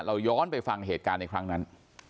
ย้อนไปฟังเหตุการณ์ในครั้งนั้น